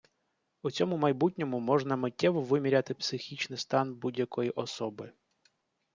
У цьому майбутньому можна миттєво виміряти психічний стан будь-якої особи.